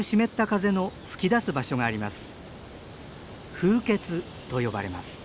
風穴と呼ばれます。